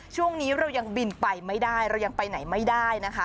ช่วงนี้เรายังบินไปไม่ได้เรายังไปไหนไม่ได้นะคะ